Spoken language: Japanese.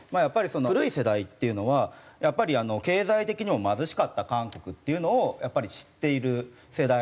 古い世代っていうのはやっぱり経済的にも貧しかった韓国っていうのをやっぱり知っている世代の人たちで。